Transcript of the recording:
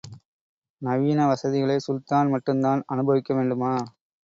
நவீன வசதிகளை சுல்தான் மட்டுந்தான் அனுபவிக்க வேண்டுமா?